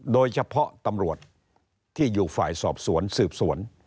โดยเฉพาะตำรวจที่อยู่ฝ่ายสอบสวนสืบสวน